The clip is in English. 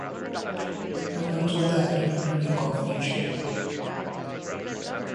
The terms of the agreement remain confidential.